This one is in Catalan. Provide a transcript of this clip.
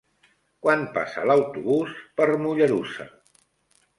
Quan passa l'autobús per Mollerussa?